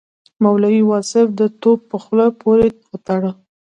مولوي واصف د توپ په خوله پورې وتاړه.